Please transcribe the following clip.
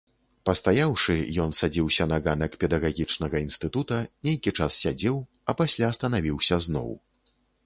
Пастаяўшы, ён садзіўся на ганак педагагічнага інстытута, нейкі час сядзеў, а пасля станавіўся зноў.